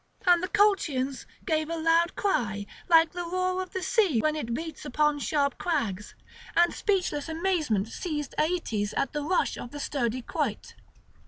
And the Colchians gave a loud cry, like the roar of the sea when it beats upon sharp crags; and speechless amazement seized Aeetes at the rush of the sturdy quoit.